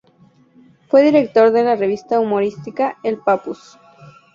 Fue director de la revista humorística "El Papus".